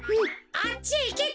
あっちへいけって！